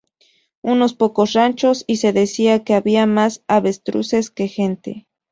Unos pocos ranchos y se decía que "había más avestruces que gente".